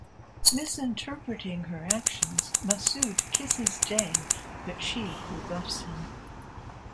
Misinterpreting her actions, Masood kisses Jane, but she rebuffs him.